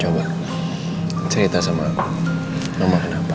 coba cerita sama mama kenapa